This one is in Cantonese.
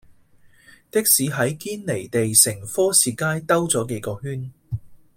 的士喺堅尼地城科士街兜左幾個圈